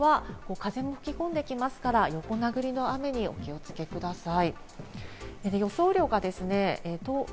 また、沿岸部は風が吹き込んできますから、横殴りの雨にお気をつけください。